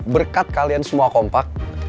berkat kalian semua kompak